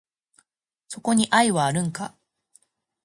そこに愛はあるんか？